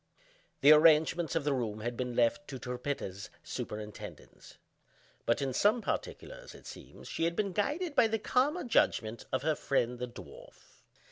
The arrangements of the room had been left to Trippetta's superintendence; but, in some particulars, it seems, she had been guided by the calmer judgment of her friend the dwarf.